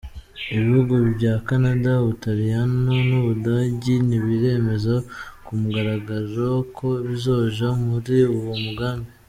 Ibihugu vya Canada, Ubutaliyano n'Ubudagi ntibiremeza ku mugaragaro ko bizoja muri uwo mugambi.